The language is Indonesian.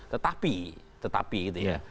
tetapi tetapi gitu ya